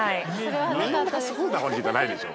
みんなそうなわけじゃないでしょ。